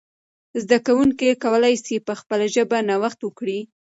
زده کوونکي کولای سي په خپله ژبه نوښت وکړي.